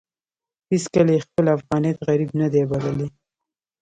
هېڅکله يې خپل افغانيت غريب نه دی بللی.